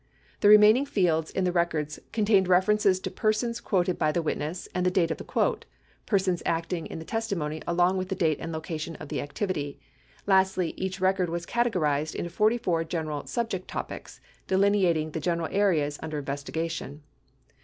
The remaining fields in the records contained references to persons quoted by the witness and the date of the quote, persons acting in the 1089 testimony along with the date and location of the activity. Lastly, each record was categorized into 44 general subject/topics delineat ing the general areas under investigation.